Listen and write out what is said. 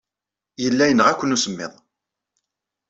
Yella yenɣa-ken usemmiḍ.